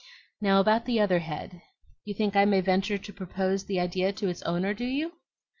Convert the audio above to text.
Now, about the other head; you think I may venture to propose the idea to its owner, do you?"